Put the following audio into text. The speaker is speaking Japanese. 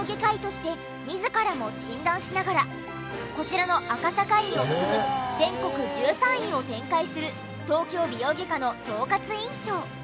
こちらの赤坂院を含む全国１３院を展開する東京美容外科の統括院長。